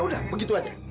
udah begitu aja